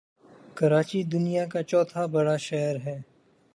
کراچی دنیا کاچهٹا بڑا شہر ہے